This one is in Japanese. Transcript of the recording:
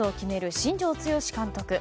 新庄剛志監督。